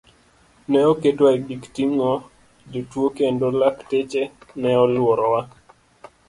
Ne oketwa e gik ting'o jotuo kendo lakteche ne oluorowa.